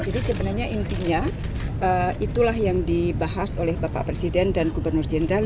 jadi sebenarnya intinya itulah yang dibahas oleh bapak presiden dan gubernur jenderal